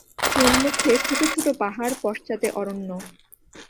সম্মুখে ছোটো ছোটো পাহাড়, পশ্চাতে অরণ্য।